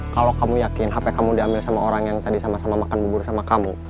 kalau kamu yakin hp kamu diambil sama orang yang tadi sama sama makan bubur sama kamu